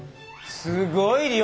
すごい量！